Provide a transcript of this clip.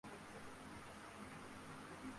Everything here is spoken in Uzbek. • Yurishni boshlash — yarim yo‘lni bosib o‘tish.